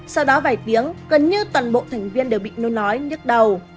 sau đó vài tiếng gần như toàn bộ thành viên đều bị nôn nói nhức đầu